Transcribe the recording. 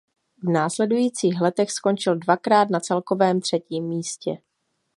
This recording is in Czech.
V následujících letech skončil dvakrát na celkovém třetím místě.